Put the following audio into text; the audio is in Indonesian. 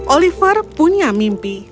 oliver punya mimpi